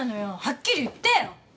はっきり言ってよ。